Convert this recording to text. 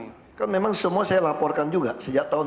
iya kan memang semua saya laporkan juga sejak tahun dua ribu dua belas